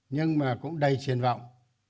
nhưng mà cũng đầy triển vọng